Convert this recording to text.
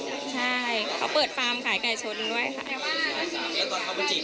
เขาเปิดความขายไก่ชนด้วยค่ะ